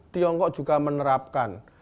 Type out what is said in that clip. tiongkok juga menerapkan